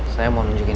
sam ini kan